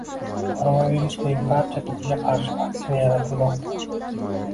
Koronavirusning barcha turiga qarshi vaksina yaratilmoqda